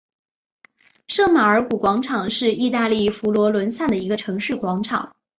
圣马尔谷广场是意大利佛罗伦萨的一个城市广场。